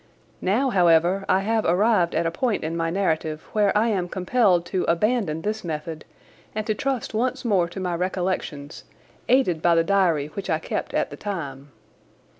Now, however, I have arrived at a point in my narrative where I am compelled to abandon this method and to trust once more to my recollections, aided by the diary which I kept at the time.